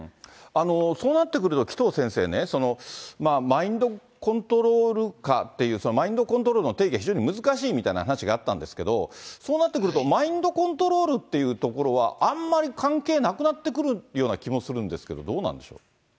マインドコントロール下っていう、そのマインドコントロールの定義が非常に難しいみたいな話があったんですけれども、そうなってくるとマインドコントロールというところは、あんまり関係なくなってくるような気もするんですけど、どうなんでしょう。